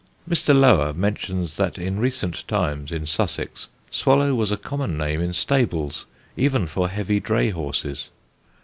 Mr. Lower mentions that in recent times in Sussex "Swallow" was a common name in stables, even for heavy dray horses.